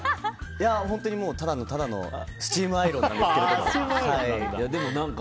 本当に、ただの、ただのスチームアイロンなんですけど。